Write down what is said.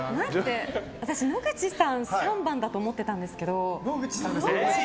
私、野口さん３番だと思ってたんですけど。